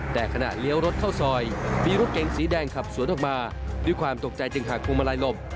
แต่ขณะเลี้ยวรถเข้าซอยมีรถเก๋งสีแดงขับสวนออกมาด้วยความตกใจจึงหากพวงมาลัยหลบ